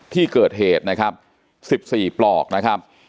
ที่เกิดเหตุนะครับ๑๔ปลอกนะครับ